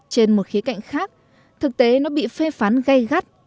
trên một khía cạnh khác thực tế nó bị phê phán gây gắt